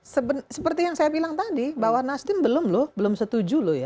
ya seperti yang saya bilang tadi bahwa nasdem belum setuju